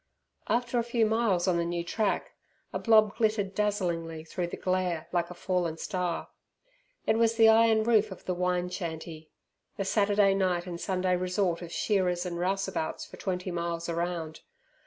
After a few miles on the new track, a blob glittered dazzlingly through the glare, like a fallen star. It was the iron roof of the wine shanty the Saturday night and Sunday resort of shearers and rouseabouts for twenty miles around.